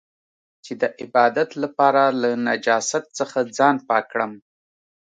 چې د عبادت لپاره له نجاست څخه ځان پاک کړم.